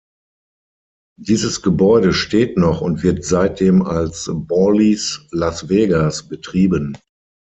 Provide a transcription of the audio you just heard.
Dieses Gebäude steht noch und wird seitdem als "Bally’s Las Vegas" betrieben.